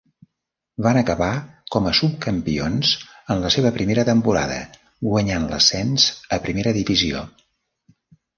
Van acabar com a subcampions en la seva primera temporada, guanyant l'ascens a Primera Divisió.